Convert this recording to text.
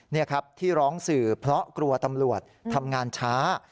นี่ครับที่ร้องสื่อเพราะกลัวตำรวจทำงานช้า